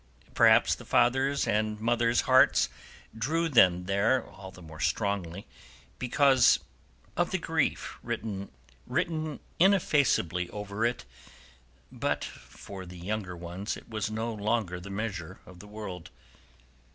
Perhaps the father's and mother's hearts drew them there all the more strongly because of the grief written ineffaceably over it, but for the younger ones it was no longer the measure of the world.